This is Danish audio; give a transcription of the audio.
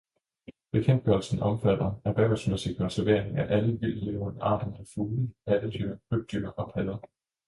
Bekendtgørelsen omfatter erhvervsmæssig konservering af alle vildtlevende arter af fugle, pattedyr, krybdyr og padder.